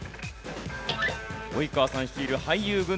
及川さん率いる俳優軍団